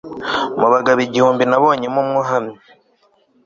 mu bagabo igihumbi nabonyemo umwe uhamye